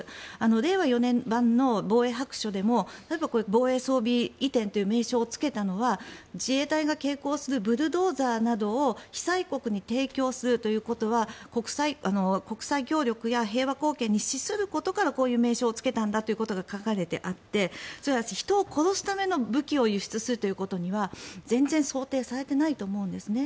令和４年版の防衛白書でも防衛装備移転という名称をつけたのは自衛隊が携行するブルドーザーなどを被災国に提供するということは国際協力や平和貢献に資することからこういう名称をつけたんだということが書かれてあって人を殺すための武器を輸出するということは全然想定されていないと思うんです。